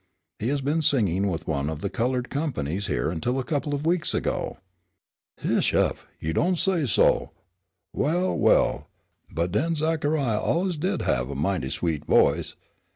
He has been singing with one of the colored companies here until a couple of weeks ago." "Heish up; you don't say so. Well! well! well! but den Zachariah allus did have a mighty sweet voice.